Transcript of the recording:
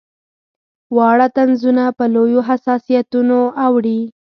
واړه طنزونه په لویو حساسیتونو اوړي.